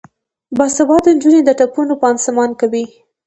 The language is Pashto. باسواده نجونې د ټپونو پانسمان کوي.